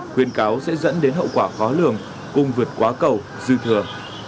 khuyên cáo sẽ dẫn đến hậu quả khó lường cung vượt quá cầu dư thừa